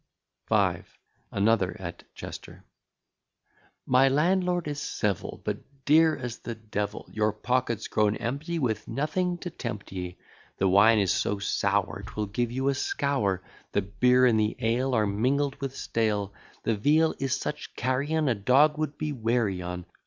V. ANOTHER, AT CHESTER My landlord is civil, But dear as the d l: Your pockets grow empty With nothing to tempt ye; The wine is so sour, 'Twill give you a scour, The beer and the ale Are mingled with stale. The veal is such carrion, A dog would be weary on.